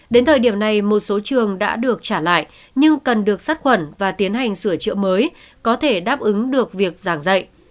đến thời điểm này một số trường đã được trả lại nhưng cần được sát khuẩn và tiến hành sửa chữa mới có thể đáp ứng được việc giảng dạy